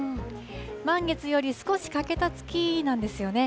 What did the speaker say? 満月より少し欠けた月なんですよね。